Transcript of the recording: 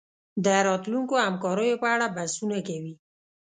د راتلونکو همکاریو په اړه بحثونه کوي